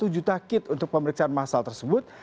satu juta kit untuk pemeriksaan masal tersebut